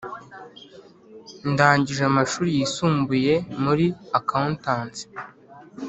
Ndangije amashuri yisumbuye muri Accountancy